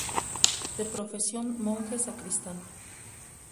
De profesión monje sacristán.